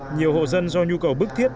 nhiều hộ dân do nhu cầu bức thiết